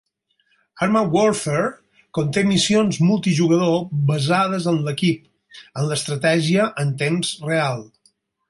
"ArmA Warfare" conté missions multijugador basades en l'equip, amb estratègia en temps real.